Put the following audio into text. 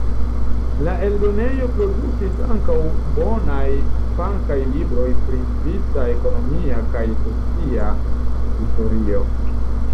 La eldonejo produktis ankaŭ bonaj fakaj libroj pri svisa ekonomia kaj socia historio.